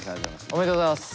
おめでとうございます。